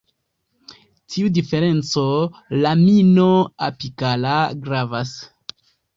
Tiu diferenco lamino-apikala gravas.